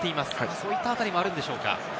そういった辺りもあるんでしょうか？